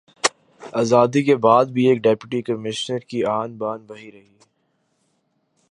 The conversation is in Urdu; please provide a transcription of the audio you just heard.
آزادی کے بعد بھی ایک ڈپٹی کمشنر کی آن بان وہی رہی